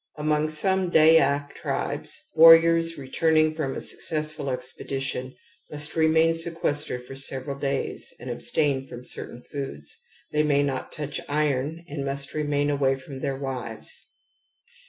*® Among some Dayak tribes warriors retmning from a successful expedition must remain seques tered for several days and abstain from certain foods; they may not touch iron and must remain away from their wives.